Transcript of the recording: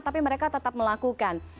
tapi mereka tetap melakukan